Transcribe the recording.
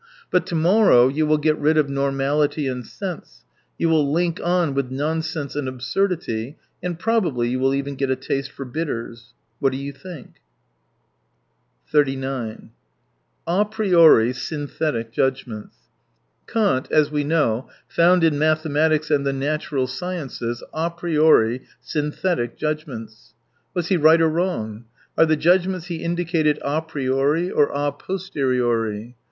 But to morrow you will get rid of normality and sense, you will link on with nonsense and absurdity, and prob ably you will even get a taste for bitters. What do you think ? .39 A priori synthetic judgments. — Kant, as we know, found in mathematics and the natural sciences . a priori synthetic judg ments. Was he right or wrong ? Are the judgments he indicated a priori or a zi6 posteriori ?